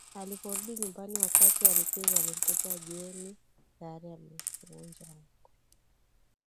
Aliporudi nyumbani wakati walikizo alimkuta Jane tayari amevunja ungo